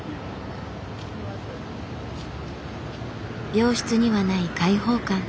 病室にはない開放感。